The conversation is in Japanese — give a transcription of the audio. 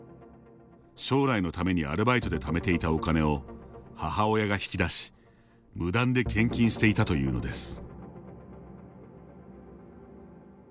将来のためにアルバイトでためていたお金を母親が引き出し無断で献金していたというのです。